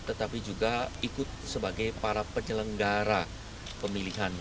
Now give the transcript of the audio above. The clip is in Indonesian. tetapi juga ikut sebagai para penyelenggara pemilihan